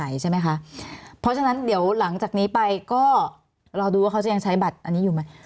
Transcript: เราดูว่าเขาจะยังใช้บัตรอันนี้อยู่ไหม